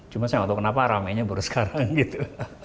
cuma saya nggak tahu kenapa ramenya baru sekarang gitu